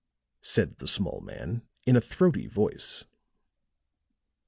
said the small man in a throaty voice.